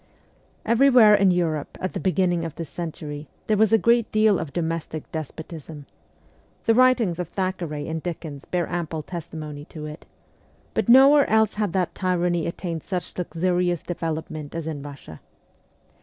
Everywhere in Europe, at the beginning of this century, there was a great deal of domestic despotism the writings of Thackeray and Dickens bear ample testimony to it but nowhere else had that tyranny attained such a luxurious development as in Eussia.